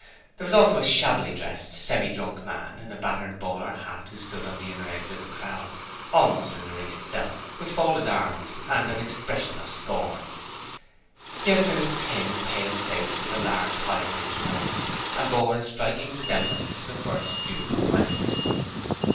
There was also a shabbily dressed, semi drunken man in a battered bowler hat who stood on the inner edge of the crowd, almost in the ring itself, with folded arms and an expression of scorn. He had a very thin, pale face with a large, high bridged nose, and bore a striking resemblance to the First Duke of Wellington.